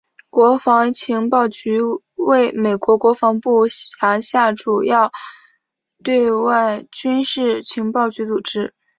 国防情报局为美国国防部辖下主要对外军事情报组织。